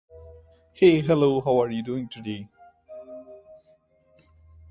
The film had its world premiere at the Cannes Film Festival.